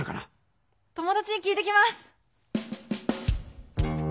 友だちに聞いてきます。